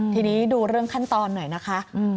ทีนี้ดูเรื่องขั้นตอนหน่อยนะคะ